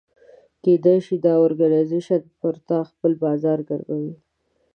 کېدای شي دا اورګنایزیش پر تا خپل بازار ګرموي.